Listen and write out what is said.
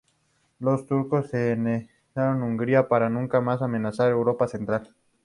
Los turcos se retiraron a Hungría, para nunca más amenazar Europa Central.